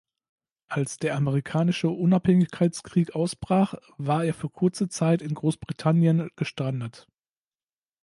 Als der Amerikanische Unabhängigkeitskrieg ausbrach war er für kurze Zeit in Großbritannien gestrandet.